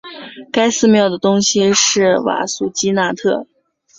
该寺庙的东面是瓦苏基纳特。